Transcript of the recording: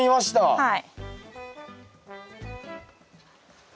はい。